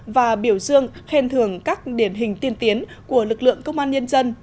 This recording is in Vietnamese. và biểu dương khen thường các điển hình tiên tiến của lực lượng công an nhân dân